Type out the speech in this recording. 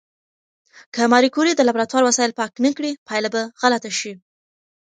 که ماري کوري د لابراتوار وسایل پاک نه کړي، پایله به غلطه شي.